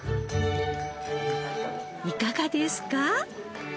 いかがですか？